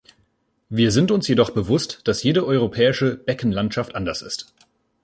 Wir sind uns jedoch bewusst, dass jede europäische Beckenlandschaft anders ist.